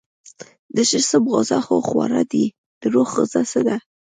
د جسم غذا خو خواړه دي، د روح غذا څه ده؟